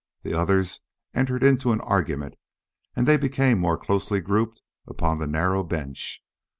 The others entered into an argument and they became more closely grouped upon the narrow bench.